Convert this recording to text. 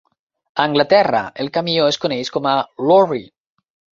A Anglaterra el camió es coneix com a lorry.